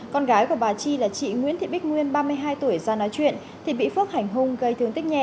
con gái của bà chi là chị nguyễn thị bích nguyên ba mươi hai tuổi ra nói chuyện thì bị phước hành hung gây thương tích nhẹ